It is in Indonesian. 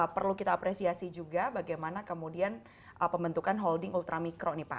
perlu kita apresiasi juga bagaimana kemudian pembentukan holding ultramikro nih pak